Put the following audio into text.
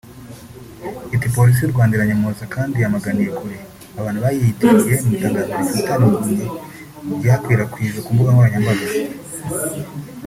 Iti “Polisi y’u Rwanda iranyomoza kandi yamaganiye kure abantu bayiyitiriye mu itangazo rifutamye ryakwirakwijwe ku mbunga nkoranyambaga